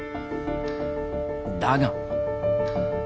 だが。